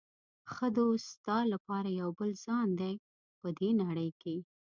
ښه دوست ستا لپاره یو بل ځان دی په دې نړۍ کې.